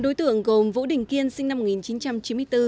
bốn đối tượng gồm vũ đình kiên sinh năm một nghìn chín trăm chín mươi hai